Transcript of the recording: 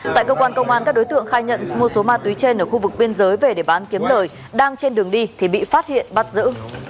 tại cơ quan công an các đối tượng khai nhận mua số ma túy trên ở khu vực biên giới về để bán kiếm lời đang trên đường đi thì bị phát hiện bắt giữ